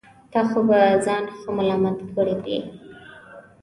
تا خو به ځان ښه ملا کړی وي.